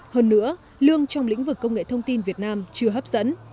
hơn nữa lương trong lĩnh vực công nghệ thông tin việt nam chưa hấp dẫn